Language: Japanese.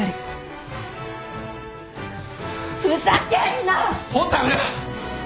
ふざけんな！